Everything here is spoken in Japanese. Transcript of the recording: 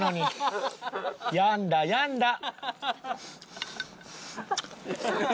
やんだやんだ。